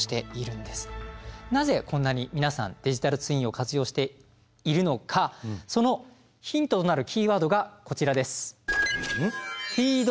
なぜこんなに皆さんデジタルツインを活用しているのかそのヒントになるキーワードがこちらです。